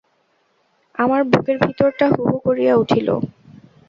আমার বুকের ভিতরটা হুহু করিয়া উঠিল।